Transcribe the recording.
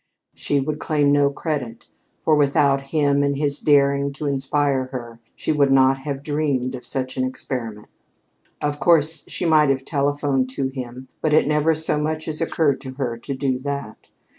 She would claim no credit; for without him and his daring to inspire her she would not have dreamed of such an experiment. Of course, she might have telephoned to him, but it never so much as occurred to her to do that.